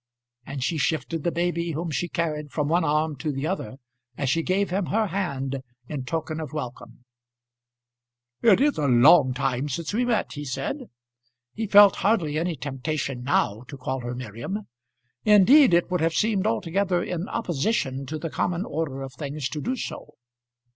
And she shifted the baby whom she carried from one arm to the other as she gave him her hand in token of welcome. [Illustration: John Kenneby and Miriam Dockwrath.] "It is a long time since we met," he said. He felt hardly any temptation now to call her Miriam. Indeed it would have seemed altogether in opposition to the common order of things to do so.